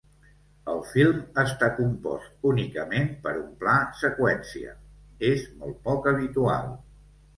El film està compost únicament per un pla seqüència, és molt poc habitual.